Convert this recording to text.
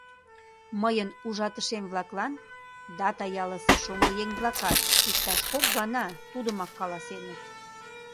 Мыйын ужатышем-влаклан Дата ялысе шоҥго еҥ-влакат иктаж кок гана тудымак каласеныт.